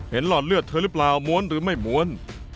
หลอดเลือดเธอหรือเปล่าม้วนหรือไม่ม้วน